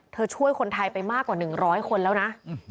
ช่วยคนไทยไปมากกว่า๑๐๐คนแล้วนะ